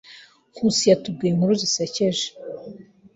Nkusi yatubwiye inkuru zisekeje.